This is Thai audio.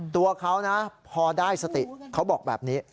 ตัวเขานะพอได้สติเขาบอกแบบนี้